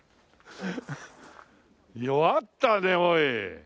弱ったねおい。